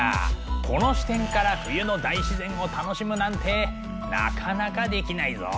この視点から冬の大自然を楽しむなんてなかなかできないぞ。